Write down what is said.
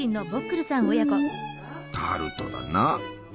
ほうタルトだな！